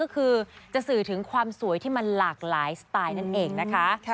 ก็คือจะสื่อถึงความสวยที่มันหลากหลายสไตล์นั่นเองนะคะ